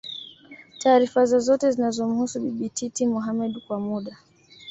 taarifa zozote zinazomhusu Bibi Titi Mohamed Kwa muda